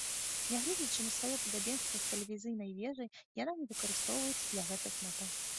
Нягледзячы на сваё падабенства з тэлевізійнай вежай, яна не выкарыстоўваецца для гэтых мэтаў.